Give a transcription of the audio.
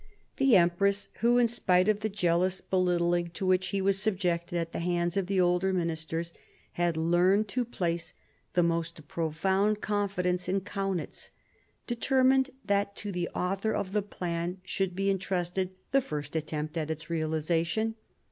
The empress, who, in spite of the jealous belittling to which he was subjected at the hands of the older ministers, had learnt to place the most profound confidence in Kaunitz, determined that to the author of the plan should be entrusted the first attempt at its realisation.